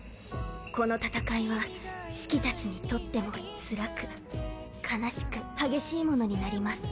この戦いはシキたちにとってもつらく悲しく激しいものになります。